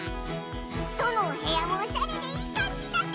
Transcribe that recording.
どのおへやもおしゃれでいいかんじだね！